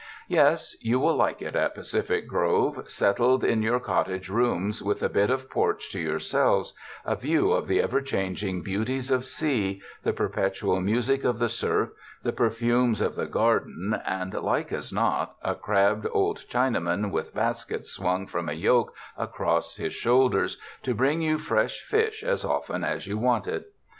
Yes, you will like it at Pacific Grove, settled in your cottage rooms, with a bit of porch to yourselves, a view of the ever changing beauties of sea, the perpetual music of the surf, the perfumes of the garden, and, like as not, a crabbed old Chinaman with baskets swung from a yoke across his shoulders, to bring you fresh fish as often as you want it.